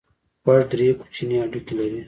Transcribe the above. غوږ درې کوچني هډوکي لري.